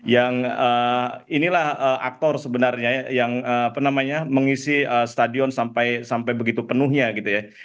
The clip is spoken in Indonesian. yang inilah aktor sebenarnya yang mengisi stadion sampai begitu penuhnya gitu ya